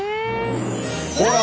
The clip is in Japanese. ほら！